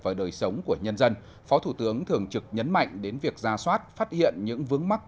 và đời sống của nhân dân phó thủ tướng thường trực nhấn mạnh đến việc ra soát phát hiện những vướng mắt